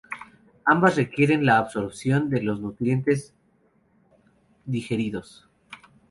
Ambas requieren la absorción de los nutrientes digeridos.